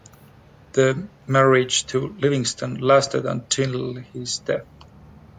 The marriage to Livingston lasted until his death.